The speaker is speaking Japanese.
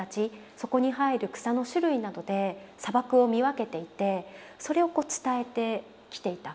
そこに生える草の種類などで砂漠を見分けていてそれを伝えてきていた。